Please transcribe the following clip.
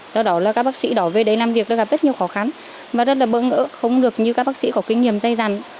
do đó là các bác sĩ đó về đây làm việc gặp rất nhiều khó khăn và rất là bỡ ngỡ không được như các bác sĩ có kinh nghiệm dây dằn